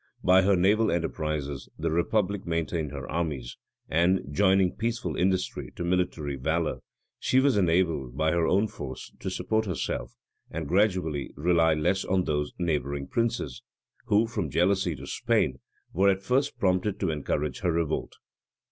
By her naval enterprises, the republic maintained her armies; and, joining peaceful industry to military valor, she was enabled, by her own force, to support herself, and gradually rely less on those neighboring princes, who, from jealousy to Spain, were at first prompted to encourage her revolt.